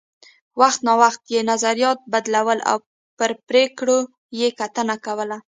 وخت نا وخت یې نظریات بدلول او پر پرېکړو یې کتنه کوله